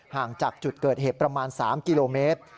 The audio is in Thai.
ห่างจากจุดเกิดเหตุประมาณ๓กิโลเมตร